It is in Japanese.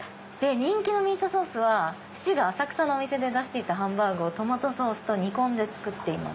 「人気のミートソースは父が浅草のお店で出していたハンバーグをトマトソースと煮込んで作っています」。